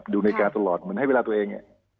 ดูในการตลอดเหมือนให้เวลาตัวเอง